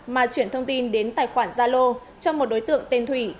mà chuyển thông tin đến tài khoản gia lô cho một đối tượng tên thủy